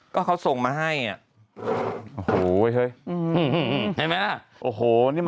ก็เขาส่งมาให้โอ้โหเห็นไหม